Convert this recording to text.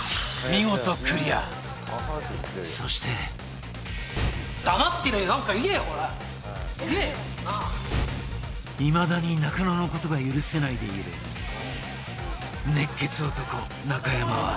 見事クリアそしていまだに中野のことが許せないでいる熱血男仲山は・